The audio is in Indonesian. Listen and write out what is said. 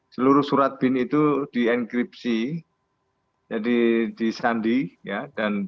seluruh surat bin itu dienkripsi jadi disandi dan didatangkan